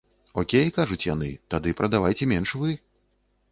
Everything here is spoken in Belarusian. Окей, кажуць яны, тады прадавайце менш вы.